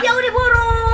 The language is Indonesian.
ya udah buruk